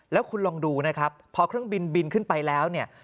แล้วคุณลองดูนะครับพอเครื่องบินบินขึ้นไปแล้วเนี่ย